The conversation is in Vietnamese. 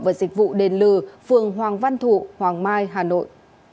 và dịch vụ đền lừ phường hoàng văn thụ hoàng mai hà nội